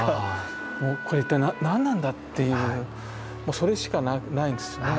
これ一体何なんだっていうそれしかないですね。